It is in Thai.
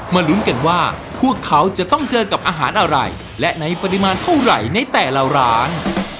ลุ้นกันว่าพวกเขาจะต้องเจอกับอาหารอะไรและในปริมาณเท่าไหร่ในแต่ละร้าน